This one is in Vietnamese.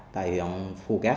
tại huyện phu cát